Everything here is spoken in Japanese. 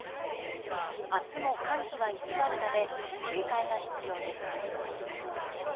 明日も寒気は居座るため警戒が必要です。